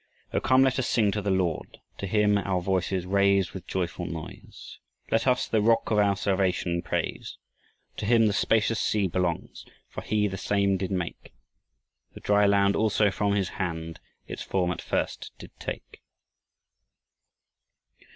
O come let us sing to the Lord, To him our voices raise With joyful noise, Let us the rock Of our salvation praise. To him the spacious sea belongs, For he the same did make; The dry land also from his hand Its form at first did take.